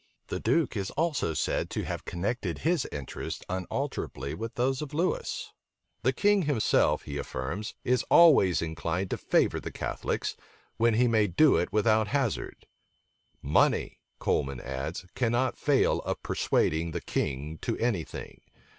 The duke is also said to have connected his interests unalterably with those of Lewis. The king himself, he affirms, is always inclined to favor the Catholics, when he may do it without hazard. "Money," Coleman adds, "cannot fail of persuading the king to any thing.